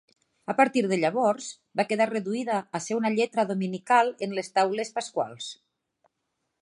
A partir de llavors, va quedar reduïda a ser una lletra dominical en les taules pasquals.